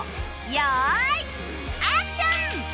用意アクション！